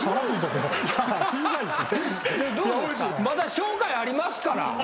まだ紹介ありますから。